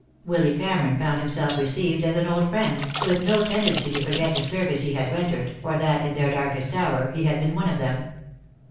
Willy Cameron found himself received as an old friend, with no tendency to forget the service he had rendered, or that, in their darkest hour, he had been one of them.